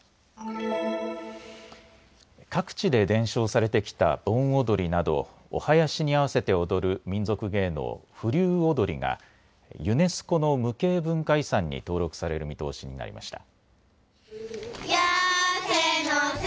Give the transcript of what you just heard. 各地で伝承されてきた盆踊りなどお囃子に合わせて踊る民俗芸能、風流踊がユネスコの無形文化遺産に登録される見通しになりました。